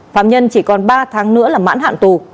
phạm nhân chỉ còn ba tháng nữa là mãn hạn tù